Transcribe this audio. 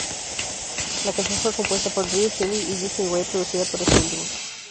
La canción fue compuesta por Drew Seeley y Justin Gray, producida por este último.